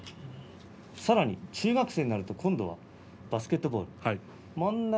さらに中学生になると今度はバスケットボールですね。